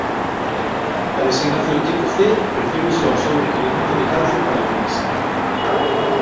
A designación tipo C refírese ao seu requirimento de calcio para unirse.